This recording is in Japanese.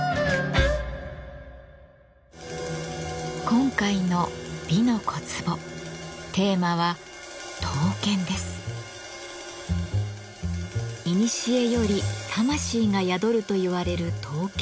今回の「美の小壺」テーマはいにしえより魂が宿るといわれる刀剣。